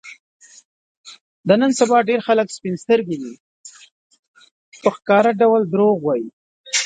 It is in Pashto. د نن سبا ډېری خلک سپین سترګي دي، په ښکاره ډول دروغ وايي.